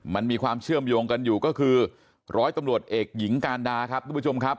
มันมีความเชื่อมโยงกันอยู่ก็คือร้อยตำรวจเอกหญิงการดาครับทุกผู้ชมครับ